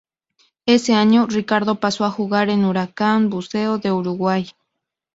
Ese año, Ricardo paso a jugar en Huracán Buceo de Uruguay.